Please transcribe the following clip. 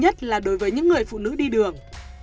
nhất là đối với những người phụ nữ đi đường